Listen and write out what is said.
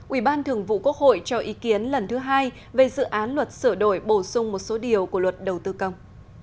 ủy ban thường vụ quốc hội cho ý kiến lần thứ hai về dự án luật sửa đổi bổ sung một số điều của luật đầu tư công